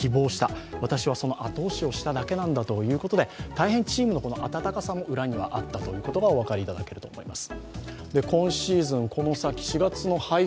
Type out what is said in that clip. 大変チームの暖かさも裏にあったことがお分かりいただけます。